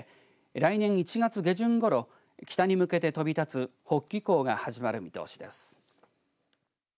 来年１月下旬ごろ北に向けて飛び立つ北帰行が始まる見通しです。